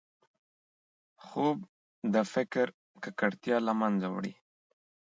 خوب د فکر ککړتیا له منځه وړي